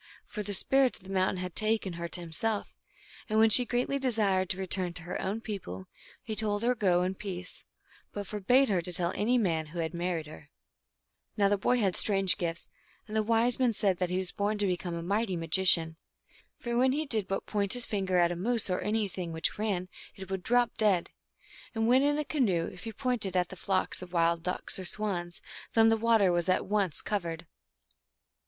For the Spirit of the Mountain had taken her to himself ; and when she greatly desired to return to her own people, he told her to go in peace, but for bade her to tell any man who had married her. Now the boy had strange gifts, and the wise men said that he was born to become a mighty magician. For when he did but point his finger at a moose, or anything which ran, it would drop dead ; and when in a canoe, if he pointed at the flocks of wild ducks or swans, then the water was at once covered 256 THE ALGONQUIN LEGENDS.